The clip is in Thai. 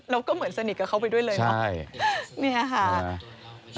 เราก็เหมือนสนิทกับเขาไปด้วยเลยเหรอนี่ค่ะใช่